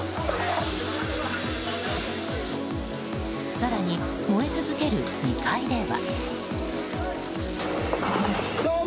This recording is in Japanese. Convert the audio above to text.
更に、燃え続ける２階では。